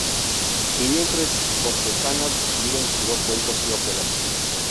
Vivió entre cortesanas y su vida inspiró cuentos y óperas.